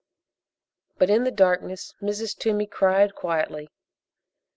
But in the darkness Mrs. Toomey cried quietly.